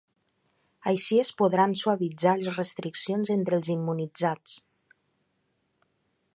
Així es podran suavitzar les restriccions entre els immunitzats.